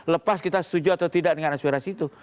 lepas kita setuju atau tidak dengan aspirasi itu